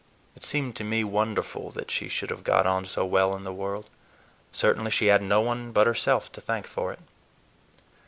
It seemed to me wonderful that she should have got on so well in the world. Certainly she had no one but herself to thank for it.